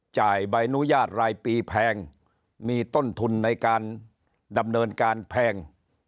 ใบอนุญาตรายปีแพงมีต้นทุนในการดำเนินการแพง